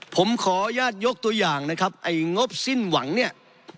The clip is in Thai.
ผมขออนุญาตยกตัวอย่างนะครับไอ้งบสิ้นหวังเนี่ย